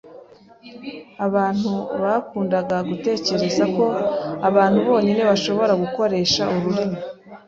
Abantu bakundaga gutekereza ko abantu bonyine bashobora gukoresha ururimi.